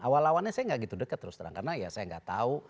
awal awalnya saya nggak gitu deket terus terang karena ya saya nggak tahu